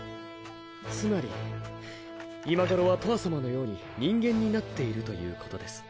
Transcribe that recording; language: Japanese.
つまり今頃はとわさまのように人間になっているということです。